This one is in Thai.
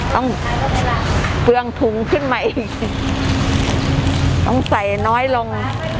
เปลืองถุงขึ้นมาเองต้องใส่น้อยลง